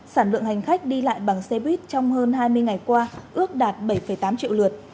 sản lượng hành khách đi lại bằng xe buýt trong hơn hai mươi ngày qua ước đạt bảy tám triệu lượt